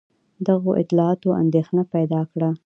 دغو اطلاعاتو اندېښنه پیدا کړه.